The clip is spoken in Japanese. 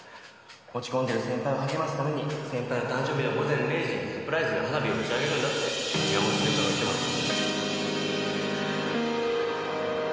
落ち込んでる先輩を励ますために先輩の誕生日の午前０時にサプライズで花火を打ち上げるんだって宮本先輩が言ってました。